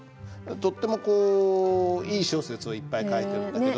とってもこういい小説をいっぱい書いてるんだけど。